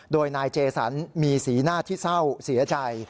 โดยนายเจสันมีสีหน้าที่เศร้าเสียใจ